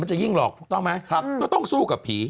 จะยิ่งหลอกถูกต้องไหมครับก็ต้องสู้กับผี